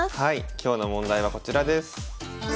今日の問題はこちらです。